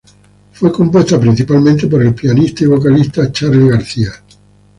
Fue compuesta principalmente por el pianista y vocalista Charly García.